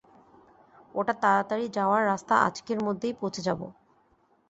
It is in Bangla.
ওটা তাড়াতাড়ি যাওয়ার রাস্তা আজকের মধ্যেই পৌছে যাব।